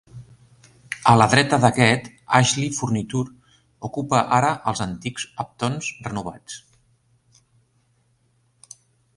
A la dreta d'aquest, Ashley Furniture ocupa ara els antics Uptons renovats.